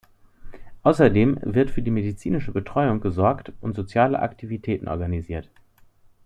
Außerdem wird für die medizinische Betreuung gesorgt und soziale Aktivitäten organisiert.